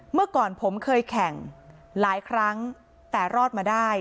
เมื่อก่อนผมเคยแข่งหลายครั้งแต่รอดมาได้